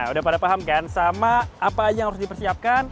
udah pada paham kan sama apa aja yang harus dipersiapkan